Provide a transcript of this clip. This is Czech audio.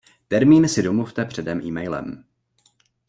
Termín si domluvte předem emailem.